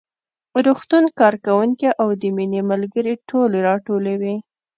روغتون کارکوونکي او د مينې ملګرې ټولې راټولې وې